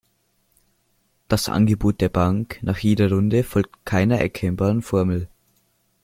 Das Angebot der Bank nach jeder Runde folgt keiner erkennbaren Formel.